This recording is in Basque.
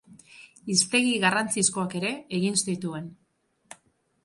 Hiztegi garrantzizkoak ere egin zituen.